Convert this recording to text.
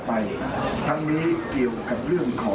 ในเวลาเดิมคือ๑๕นาทีครับ